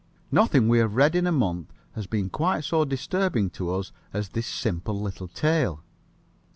Nothing we have read in a month has been quite so disturbing to us as this simple little tale.